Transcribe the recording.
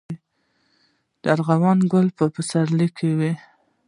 د ارغوان ګل په پسرلي کې وي